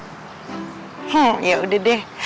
hmm yaudah deh